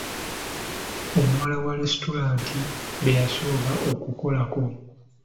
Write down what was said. Omuwala wa lesitulanta be yasooka okukolako.